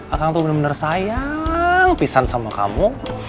aku tuh bener bener sayang pisang sama kamu